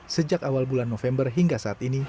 sejak awal bulan november hingga saat ini